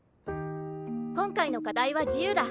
今回の課題は自由だ。